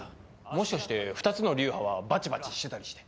もしかして２つの流派はバチバチしてたりして。